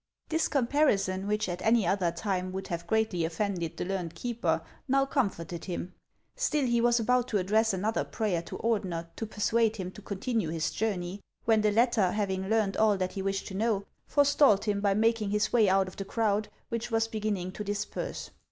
This comparison, which at any other time would have greatly offended the learned keeper, now comforted him. Still, he was about to address another prayer to Ordener to persuade him to continue his journey, when the latter, having learned all that he wished to know, forestalled him HANS OF ICELAND. 217 by making his way out of the crowd, which was beginning to disperse.